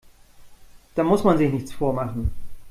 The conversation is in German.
Da muss man sich nichts vormachen.